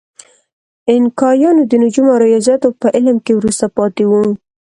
اینکایانو د نجوم او ریاضیاتو په علم کې وروسته پاتې وو.